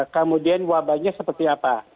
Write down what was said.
kemudian wabahnya seperti apa